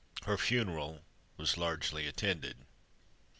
Her funeral was largely attended.